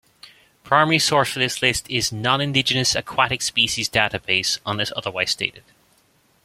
Primary source for this list is Nonindigenous Aquatic Species Database unless otherwise stated.